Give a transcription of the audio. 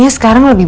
ya silahkan adik itu